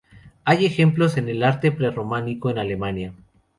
Hay ejemplos en el arte prerrománico en Alemania.